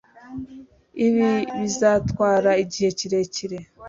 Ibi bizatwara igihe kirekire